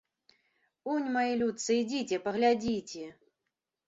Унь, мае людцы, ідзіце, паглядзіце!